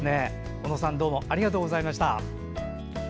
小野さんどうもありがとうございました。